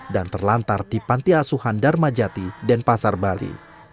dan terlantar di panti asuhan dharmajati dan pasar bali